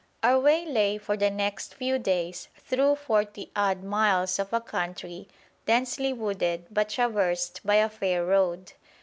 Our way lay for the next few days through forty odd miles of a country densely wooded but traversed by a fair road.